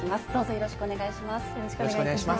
よろしくお願いします。